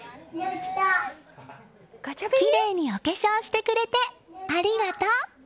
きれいにお化粧してくれてありがとう！